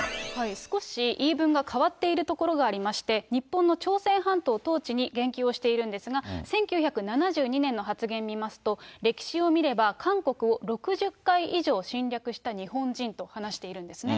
少し言い分が変わっているところがありまして、日本の朝鮮半島統治に言及をしているんですが、１９７２年の発言を見ますと、歴史を見れば、韓国を６０回以上侵略した日本人と話しているんですね。